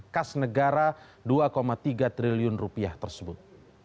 kas negara dua tiga triliun rupiah tersebut